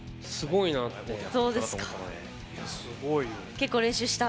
結構練習した？